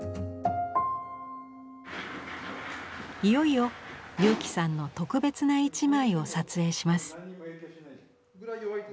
いよいよ佑基さんの「特別な一枚」を撮影します。